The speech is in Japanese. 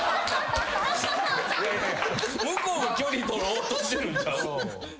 向こうが距離取ろうとしてるんちゃう？